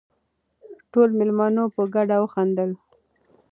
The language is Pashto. ټولو مېلمنو په ګډه وخندل.